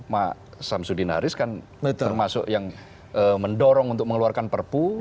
pak samsudin haris kan termasuk yang mendorong untuk mengeluarkan perpu